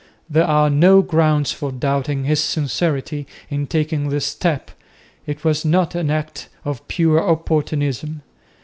There are no grounds for doubting his sincerity in taking this step; it was not an act of pure opportunism.